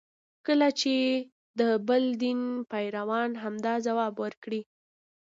کله چې د بل دین پیروان همدا ځواب ورکړي.